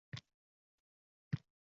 moddiy jismlarga hamda bunday ma’lumotlarni